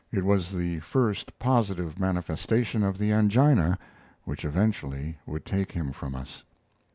It was the first positive manifestation of the angina which eventually would take him from us.